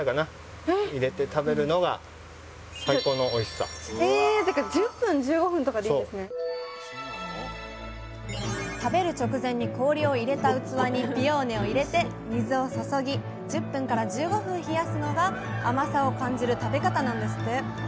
さあここで食べる直前に氷を入れた器にピオーネを入れて水を注ぎ１０分１５分冷やすのが甘さを感じる食べ方なんですって！